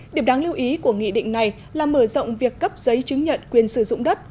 điểm đáng lưu ý của nghị định này là mở rộng việc cấp giấy chứng nhận quyền sử dụng đất